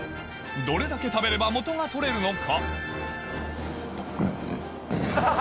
どれだけ食べれば元が取れるのか？